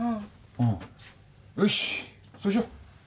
うんよしそうしよう！